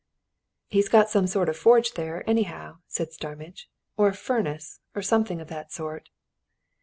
"He's got some sort of a forge there, anyhow," said Starmidge. "Or a furnace, or something of that sort."